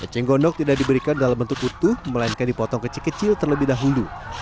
eceng gondok tidak diberikan dalam bentuk utuh melainkan dipotong kecil kecil terlebih dahulu